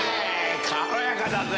軽やかだぜ！